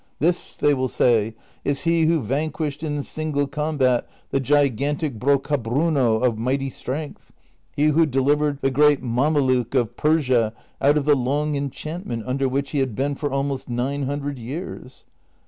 ' This,' they will say, ' is he who vanquished in single combat the gigantic Bro cabruno of mighty strength ; he who delivered the great Mame luke of Persia out of the long enchantment under which he had been for almost nine hundred years.'